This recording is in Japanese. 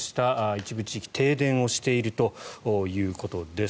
一部地域停電をしているということです。